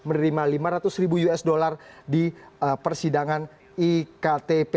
menerima lima ratus ribu usd di persidangan iktp